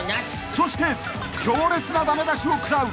［そして強烈な駄目出しを食らう］